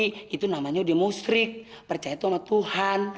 iya sama tony itu namanya udah musrik percaya sama tuhan